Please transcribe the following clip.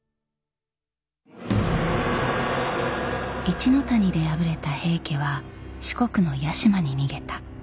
一ノ谷で敗れた平家は四国の屋島に逃げた。